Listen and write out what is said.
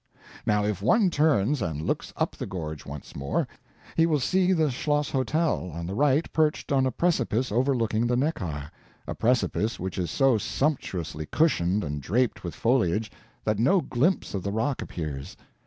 Now if one turns and looks up the gorge once more, he will see the Schloss Hotel on the right perched on a precipice overlooking the Neckar a precipice which is so sumptuously cushioned and draped with foliage that no glimpse of the rock appears.